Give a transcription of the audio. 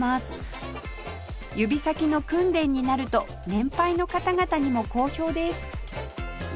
指先の訓練になると年配の方々にも好評です